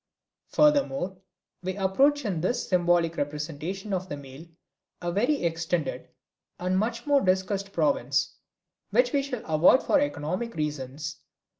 Furthermore, we approach in the symbolic representation of the male a very extended and much discussed province, which we shall avoid for economic reasons.